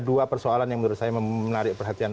dua persoalan yang menurut saya menarik perhatian